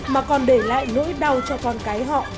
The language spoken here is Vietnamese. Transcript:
mà còn để lại nỗi đau cho con cái hoặc đứa con